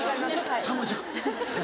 さんまちゃん。